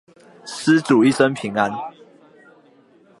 施主一生平安